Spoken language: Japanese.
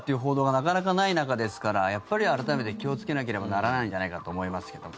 なかなかない中ですからやっぱり改めて気をつけなければならないんじゃないかと思いますけども。